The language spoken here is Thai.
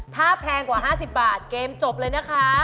ถ้าแพงกว่า๕๐บาทเกมจบเลยนะคะ